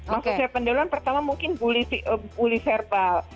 maksud saya pendahuluan pertama mungkin bully verbal